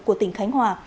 của tỉnh khánh hòa